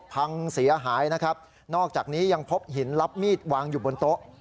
พังเสียหายนะครับนอกจากนี้ยังพบหินรับมีดวางอยู่บนโต๊ะ